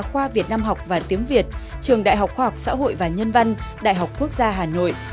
khoa việt nam học và tiếng việt trường đại học khoa học xã hội và nhân văn đại học quốc gia hà nội